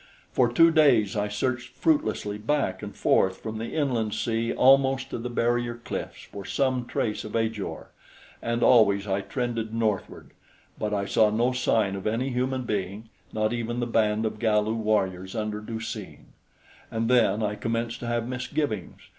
For two days I searched fruitlessly back and forth from the inland sea almost to the barrier cliffs for some trace of Ajor, and always I trended northward; but I saw no sign of any human being, not even the band of Galu warriors under Du seen; and then I commenced to have misgivings.